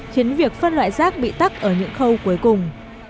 khiến việc phân loại rác bị tắt ở những khâu cuối cùng